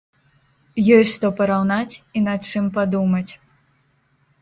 Ёсць што параўнаць і над чым падумаць.